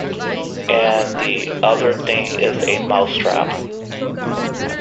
And the other thing is a mouse-trap.